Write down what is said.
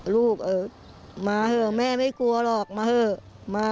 ลูกมาเถอะแม่ไม่กลัวหรอกมาเถอะ